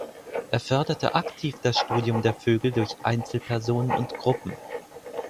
Er förderte aktiv das Studium der Vögel durch Einzelpersonen und Gruppen.